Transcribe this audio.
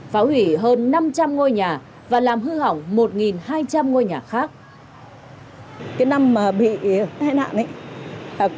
phá hủy hơn năm trăm linh ngôi nhà